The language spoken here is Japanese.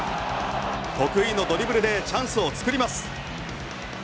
得意のドリブルでチャンスを作ります。